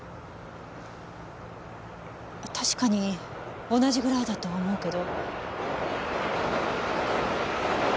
確かに同じぐらいだとは思うけど。